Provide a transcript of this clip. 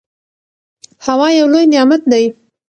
هوا یو لوی نعمت دی.